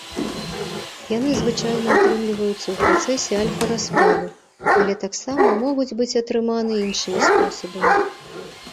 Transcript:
Яны звычайна атрымліваюцца ў працэсе альфа-распаду, але таксама могуць быць атрыманы іншымі спосабамі.